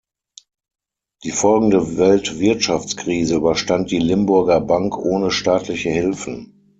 Die folgende Weltwirtschaftskrise überstand die Limburger Bank ohne staatliche Hilfen.